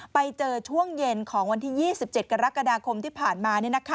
ไปเจอช่วงเย็นของวันที่๒๗กรกฎาคมที่ผ่านมา